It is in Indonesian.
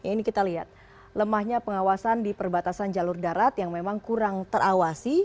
ini kita lihat lemahnya pengawasan di perbatasan jalur darat yang memang kurang terawasi